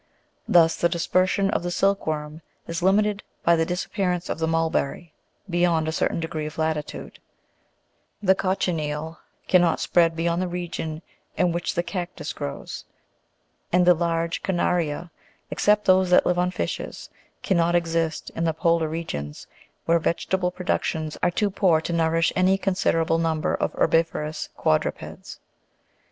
Thus, the dispersion of the silk worm is limited by the disappearance of the mulberry, beyond a certain degree of latitude ; the cochineal cannot spread beyond the region in which the cactus grows; and the large carnu'ria, except those that live on fishes, cannot exist in the polar regions, where vegetable productions are too poor to nourish any consider able number of herbi'vorous quadrupeds.